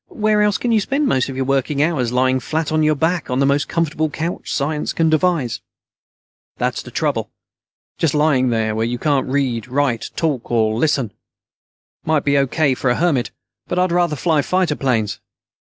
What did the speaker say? Where else can you spend most of your working hours lying flat on your back on the most comfortable couch science can devise?" "That's the trouble. Just lying there, where you can't read, write, talk, or listen. It might be O.K. for a hermit, but I'd rather fly fighter planes.